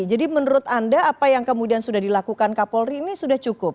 jadi menurut anda apa yang kemudian sudah dilakukan kak polri ini sudah cukup